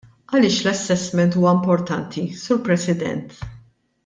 Għaliex l-assessment huwa importanti, Sur President?